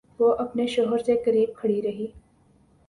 وہ اپنے شوہر سے قریب کھڑی رہی۔